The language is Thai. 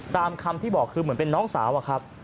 ตามคำที่บอกคือเหมือนเป็นน้องสาวอะครับ